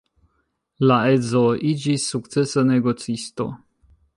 La edzo iĝis sukcesa negocisto.